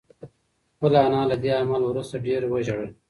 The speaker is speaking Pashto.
خپله انا له دې عمل وروسته ډېره وژړل.